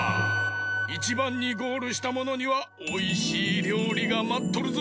１ばんにゴールしたものにはおいしいりょうりがまっとるぞ。